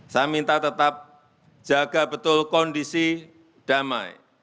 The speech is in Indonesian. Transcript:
saya minta tetap jaga betul kondisi damai